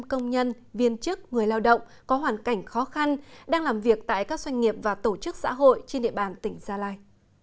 công nhân viên chức người lao động có hoàn cảnh khó khăn đang làm việc tại các doanh nghiệp và tổ chức xã hội trên địa bàn tỉnh gia lai